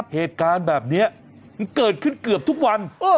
เหตุการณ์แบบนี้มันเกิดขึ้นเกือบทุกวัน